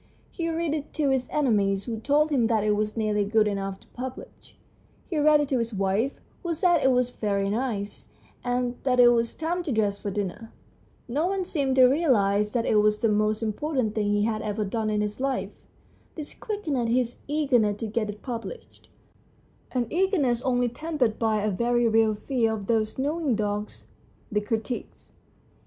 He read it to his enemies, who told him that it was nearly good enough to publish ; he read it to his wife, who said that it was very nice, and that it was time to dress for dinner. No one seemed to realise that it was the most impor tant thing he had ever done in his life. This quickened his eagerness to get it published an eagerness only tempered by a very real fear of those knowing dogs, the critics.